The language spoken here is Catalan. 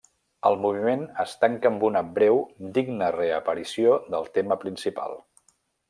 El moviment es tanca amb una breu, digna reaparició del tema principal.